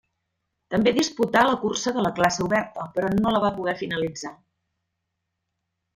També disputà la cursa de la classe oberta, però no la pogué finalitzar.